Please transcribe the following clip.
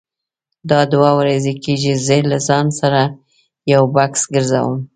دا دوه ورځې کېږي زه له ځان سره یو بکس ګرځوم.